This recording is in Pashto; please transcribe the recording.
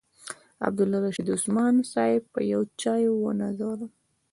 عبدالرشید عثمان صاحب په چایو ونازولم.